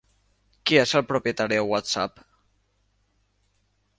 Qui és el propietari de WhatsApp?